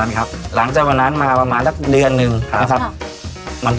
เราก็ยังแบบชอปกับมันอยู่กันกัน